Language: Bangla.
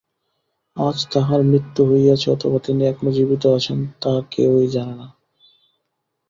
আজ তাঁহার মৃত্যু হইয়াছে অথবা তিনি এখনও জীবিত আছেন, তাহা কেহই জানে না।